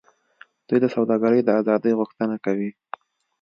دوی د سوداګرۍ د آزادۍ غوښتنه کوي